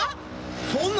そんな！